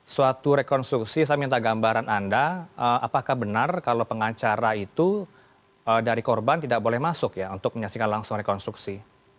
suatu rekonstruksi saya minta gambaran anda apakah benar kalau pengacara itu dari korban tidak boleh masuk ya untuk menyaksikan langsung rekonstruksi